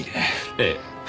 ええ。